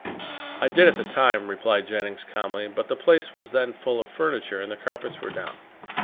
"I did at the time," replied Jennings calmly, "but the place was then full of furniture and the carpets were down.